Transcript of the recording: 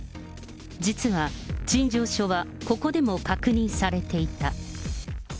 実は陳情書はここでも確認されていた。